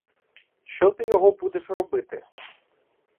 Що ти його будеш робити?